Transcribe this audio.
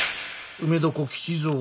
「梅床吉蔵」。